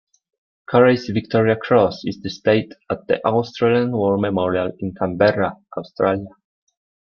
Currey's Victoria Cross is displayed at the Australian War Memorial in Canberra, Australia.